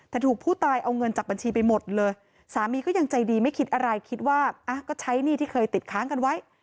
แต่ถูกผู้ตายเอาเงินจากบัญชีไปหมดเลยสามีก็ยังใจดีไม่คิดอะไรคิดว่าก็ใช้หนี้ที่เคยติดค้างกันไว้